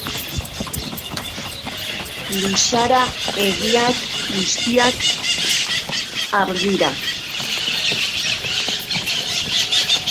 Luzara egiak guziak argira.